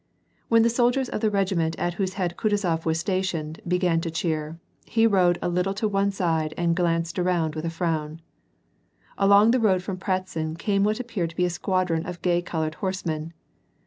When the soldiers of the regiment at whose head Kutuzof was stationed, began to cheer, he rode a little to one side and glanced around with a frown. Along the road from Pratzen came what appeared to be a squadron of gay colored horsemen.